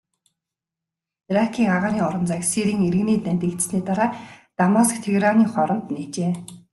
Иракийн агаарын орон зайг Сирийн иргэний дайн дэгдсэний дараа Дамаск-Тегераны хооронд нээжээ.